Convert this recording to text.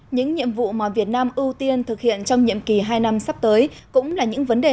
những nhiệm vụ mà việt nam ưu tiên thực hiện trong nhiệm kỳ hai năm sắp tới cũng là những vấn đề